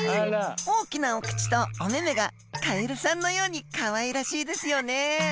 大きなお口とおめめがカエルさんのようにかわいらしいですよね。